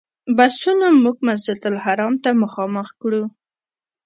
بسونو موږ مسجدالحرام ته مخامخ.